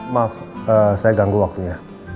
maaf saya ganggu waktunya